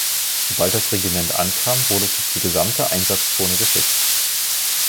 Sobald das Regiment ankam, wurde es durch die gesamte Einsatzzone geschickt.